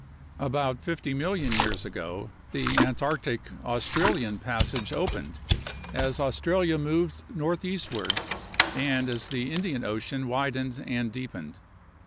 About 50 million years ago, the Antarctic Australian passage opened as Australia moved northeastward and as the Indian Ocean widened and deepened.